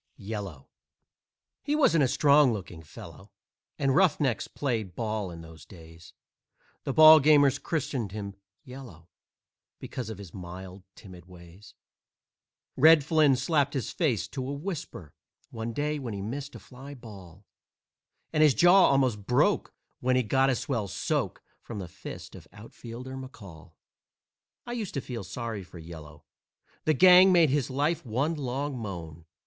"YELLOW" He wasn't a strong looking fellow, And roughnecks played ball in those days; The ballgamers christened him "Yellow" Because of his mild, timid ways. Red Flynn slapped his face to a whisper One day when he missed a fly ball, And his jaw almost broke when he got a swell soak From the fist of Outfielder McCall. I used to feel sorry for "Yellow," The gang made his life one long moan.